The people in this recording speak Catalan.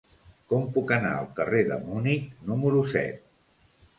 Com puc anar al carrer de Munic número set?